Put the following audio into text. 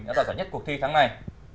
đã đạt giải nhất cuộc thi tháng này